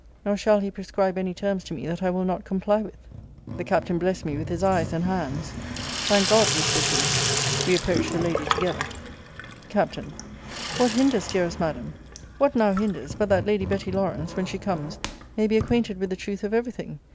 Nor shall he prescribe any terms to me that I will not comply with. The Captain blessed me with his eyes and hands Thank God! whispered he. We approached the lady together. Capt. What hinders, dearest Madam, what now hinders, but that Lady Betty Lawrance, when she comes, may be acquainted with the truth of every thing?